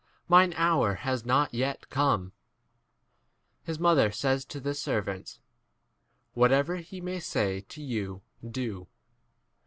5 mine hour has not yet come. His mother says to the servants, Whatever he may say to you, do.